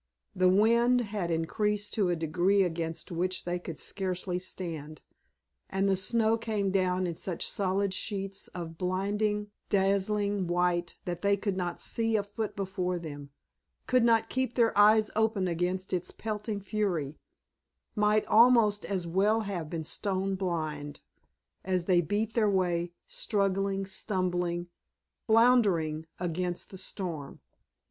The wind had increased to a degree against which they could scarcely stand, and the snow came down in such solid sheets of blinding, dazzling white that they could not see a foot before them, could not keep their eyes open against its pelting fury, might almost as well have been stone blind, as they beat their way, struggling, stumbling, floundering, against the storm.